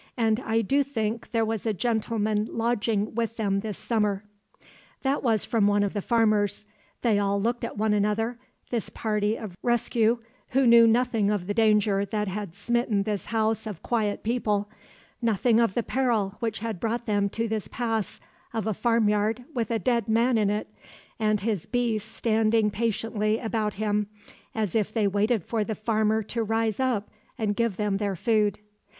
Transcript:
And I do think there was a gentleman lodging with them this summer." That was from one of the farmers. They all looked at one another, this party of rescue, who knew nothing of the danger that had smitten this house of quiet people, nothing of the peril which had brought them to this pass of a farmyard with a dead man in it, and his beasts standing patiently about him, as if they waited for the farmer to rise up and give them their food.